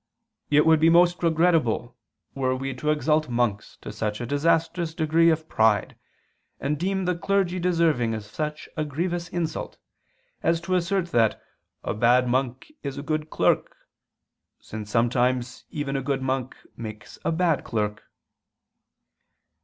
"It would be most regrettable, were we to exalt monks to such a disastrous degree of pride, and deem the clergy deserving of such a grievous insult," as to assert that "'a bad monk is a good clerk,' since sometimes even a good monk makes a bad clerk."